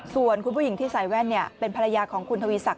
ส่วนคุณผู้หญิงที่ใส่แว่นเป็นภรรยาของคุณทวีศักดิ